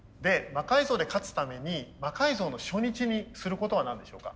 魔改造で勝つために魔改造の初日にすることは何でしょうか。